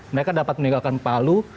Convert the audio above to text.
mereka dapat meninggalkan palu